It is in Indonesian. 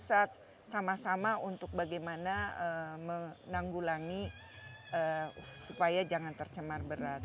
saat sama sama untuk bagaimana menanggulangi supaya jangan tercemar berat